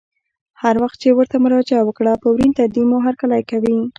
هر وخت چې ورته مراجعه وکړه په ورین تندي مو هرکلی کوي.